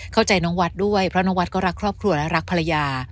เข้าใจน้องวัดด้วยเพราะน้องวัดก็รักครอบครัวและรักภรรยา